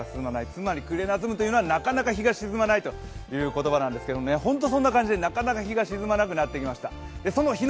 つまり暮れなずむというのはなかなか日が沈まないということなんですけれども、本当にそんな感じでなかなか日が沈まなくなってきました。